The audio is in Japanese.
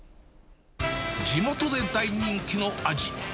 地元で大人気の味。